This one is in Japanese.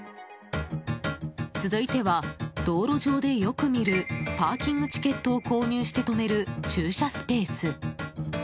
続いては、道路上でよく見るパーキングチケットを購入して止める駐車スペース。